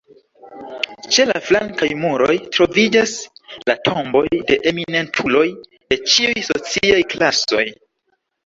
Ĉe la flankaj muroj troviĝas la tomboj de eminentuloj de ĉiuj sociaj klasoj.